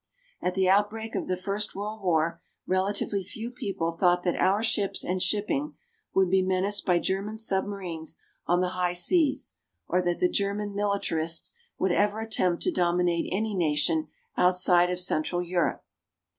At the outbreak of the first World War relatively few people thought that our ships and shipping would be menaced by German submarines on the high seas or that the German militarists would ever attempt to dominate any nation outside of central Europe.